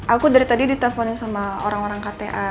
aku dari tadi diteleponin sama orang orang kta